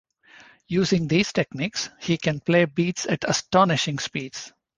Using these techniques, he can play beats at astonishing speeds.